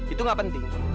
itu gak penting